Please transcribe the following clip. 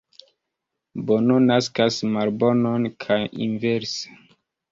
Bono naskas malbonon, kaj inverse.